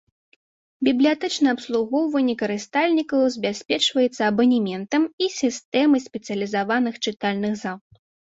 Бібліятэчнае абслугоўванне карыстальнікаў забяспечваецца абанементам і сістэмай спецыялізаваных чытальных зал.